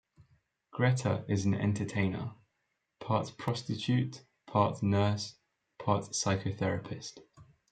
Greta is an Entertainer: part prostitute, part nurse, part psychotherapist.